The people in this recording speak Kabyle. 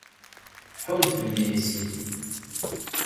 Ḥunn fell-i, a Sidi.